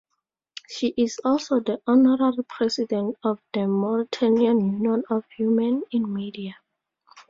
She is also the honorary president of the Mauritanian Union of Women in Media.